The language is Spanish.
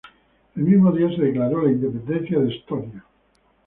El mismo día, se declaró la independencia de Estonia.